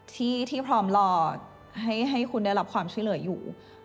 ที่พร้อมรอให้คุณได้รับความช่วยเหลืออยู่